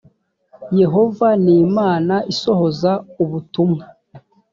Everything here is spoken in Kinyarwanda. yehova ni imana isohoza ubutumwa.